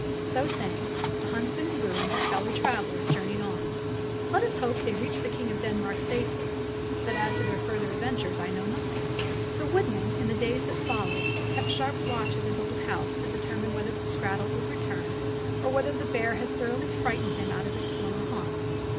So saying, the huntsman and Bruin, his fellow traveler, journeyed on. Let us hope they reached the king of Denmark safely, but as to their further adventures I know nothing. The woodman, in the days that followed, kept sharp watch of his old house to deter mine whether the skrattel would return, or whether the bear had thoroughly frightened him out of his former haunt.